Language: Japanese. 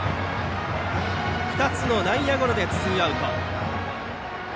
２つの内野ゴロでツーアウト。